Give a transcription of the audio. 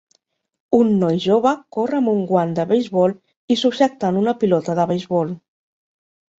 Un noi jove corre amb un guant de beisbol i subjectant una pilota de beisbol.